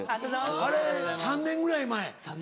あれ３年ぐらい前？